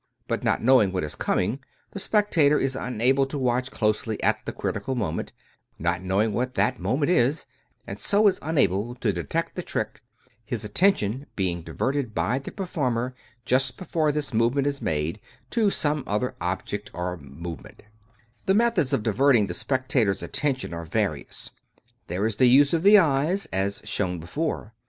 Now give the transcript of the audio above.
But not knowing what is coming, the spectator is unable to watch closely at the critical moment — ^not knowing what that moment is — and so is unable to detect the trick, his attention being diverted by the performer, just be fore this movement is made, to some other object or move ment The methods of diverting the spectator's attention are various. There is the use of the eyes, as before shown.